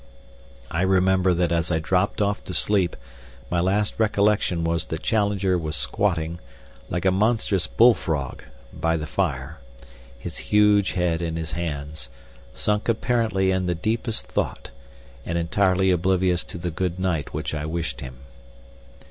I remember that as I dropped off to sleep my last recollection was that Challenger was squatting, like a monstrous bull frog, by the fire, his huge head in his hands, sunk apparently in the deepest thought, and entirely oblivious to the good night which I wished him.